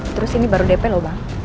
terus ini baru dp loh bang